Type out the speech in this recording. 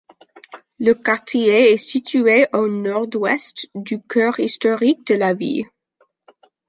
Le quartier est situé au nord-ouest du cœur historique de la ville.